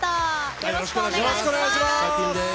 よろしくお願いします。